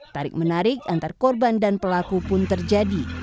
tarik menarik antar korban dan pelaku pun terjadi